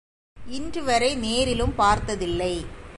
இன்றுவரை நேரிலும் பார்த்ததில்லை.